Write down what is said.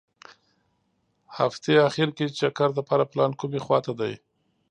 هغتې اخیر کې چکر دپاره پلان کومې خوا ته دي.